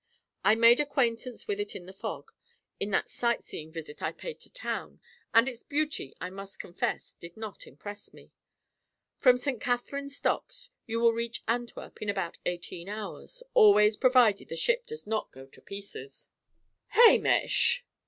I made acquaintance with it in a fog, in that sight seeing visit I paid to town; and its beauty, I must confess, did not impress me. From St. Katherine's Docks you will reach Antwerp in about eighteen hours always provided the ship does not go to pieces." "Hamish!"